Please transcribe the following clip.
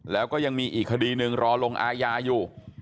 แล้วก็ยังมีอีกคดีหนึ่งรอลงอาญาอยู่